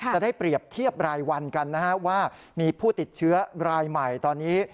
จะได้เปรียบเทียบรายวันกันนะฮะว่ามีผู้ติดเชื้อรายใหม่ตอนนี้